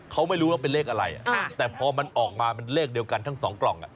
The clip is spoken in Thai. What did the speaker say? เขาไม่รู้ว่าเป็นเลขอะไรแต่พอมันออกมามันเลขเดียวกันทั้งสองกล่อง